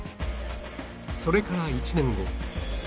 それから１年後